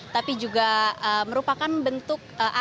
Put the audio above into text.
tapi juga merupakan bentuk aksi